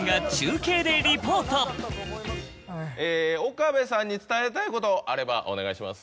岡部さんに伝えたいことあればお願いします。